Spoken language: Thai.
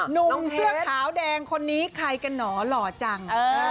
หนุ่มเสื้อขาวแดงคนนี้ใครกันหนอหล่อจัง